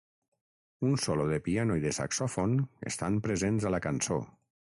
Un solo de piano i de saxòfon estan presents a la cançó.